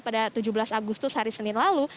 pada tujuh belas agustus hari senin lalu